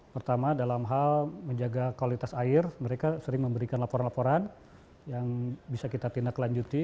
pertama dalam hal menjaga kualitas air mereka sering memberikan laporan laporan yang bisa kita tindak lanjuti